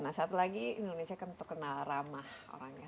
nah satu lagi indonesia kan terkenal ramah orangnya